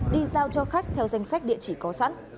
đi giao cho khách theo danh sách địa chỉ có sẵn